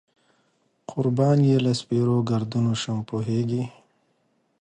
قربان یې له سپېرو ګردونو شم، پوهېږې.